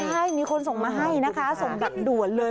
ใช่มีคนส่งมาให้นะคะส่งแบบด่วนเลย